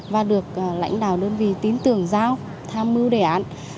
và được lãnh đạo đơn vị tin tưởng giao tham mưu đề án